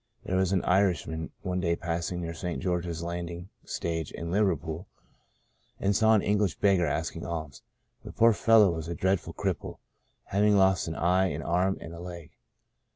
There was an Irish man one day passing near St. George's landing stage in Liverpool and he saw an English beggar asking alms. The poor fel low was a dreadful cripple, having lost an eye, an arm and a leg.